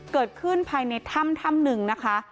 เกิดขึ้นภายในถ้ำถ้ำหนึ่งนะคะ